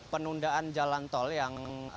penundaan jalan tol yang